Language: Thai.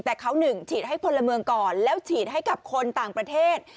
แต่เขาหนึ่งฉีดให้พลเมืองก่อนแล้วฉีดให้กับคนต่างประเทศ